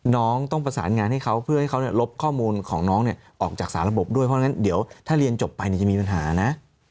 น้องต้องประสานงานให้เขาเพื่อให้เขาลบข้อมูลของน้องเนี่ยออกจากสารระบบด้วยเพราะฉะนั้นเดี๋ยวถ้าเรียนจบไปจะมีปัญหานะ